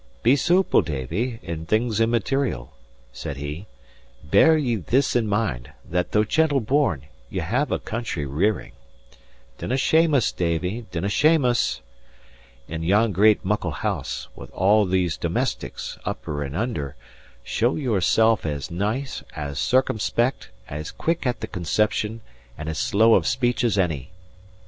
"Be soople, Davie, in things immaterial," said he. "Bear ye this in mind, that, though gentle born, ye have had a country rearing. Dinnae shame us, Davie, dinnae shame us! In yon great, muckle house, with all these domestics, upper and under, show yourself as nice, as circumspect, as quick at the conception, and as slow of speech as any.